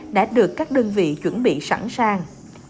đã được các đơn vị chuẩn bị sẵn sàng